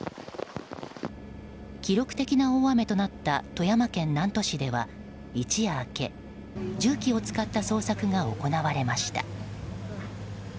記録的な大雨となった富山県南砺市では一夜明け、重機を使った捜索が行われました。